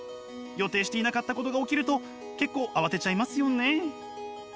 予定していなかったことが起きると結構慌てちゃいますよね。